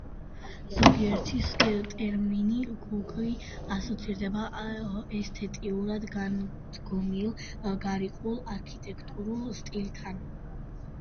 ზოგისთვის ტერმინი გუგი ასოცირდება ესთეტიურად განდგომილ, გარიყულ არქიტექტურულ სტილთან.